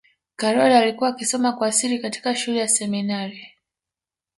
karol alikuwa akisoma kwa siri katika shule ya seminari